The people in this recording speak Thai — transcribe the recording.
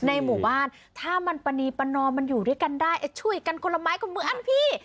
ในหมู่บ้านถ้ามันปณีประนอมมันอยู่ด้วยกันได้ช่วยกันคนละไม้คนมืออันพี่